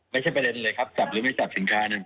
ไม่ใช่ประเด็นเลยครับจับหรือไม่จับสินค้าหนึ่ง